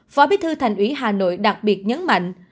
phó bí thư thành ủy hà nội đặc biệt nhấn mạnh